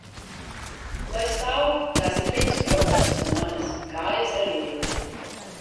Lai stāv, tās ir viņas problēmas, ne manas, kājas arī viņas.